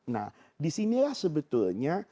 nah disinilah sebetulnya